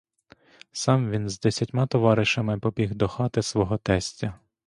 Сам він з десятьма товаришами побіг до хати свого тестя.